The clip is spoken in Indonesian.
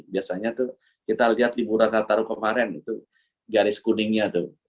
biasanya kita lihat di murad nataru kemarin itu garis kuningnya